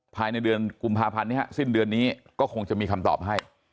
ภายในเดือนกุมภาพันธ์นี้สิ้นเดือนนี้ก็คงจะมีคำตอบให้